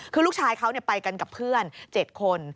คือลูกชายเขาไปกันกับเพื่อน๗คน